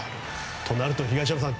となると東山さん